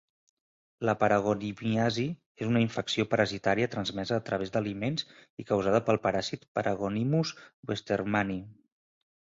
La paragonimiasi és una infecció parasitària transmesa a través d'aliments i causada pel paràsit Paragonimus westermani.